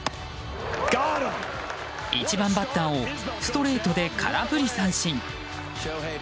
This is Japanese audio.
１番バッターをストレートで空振り三振。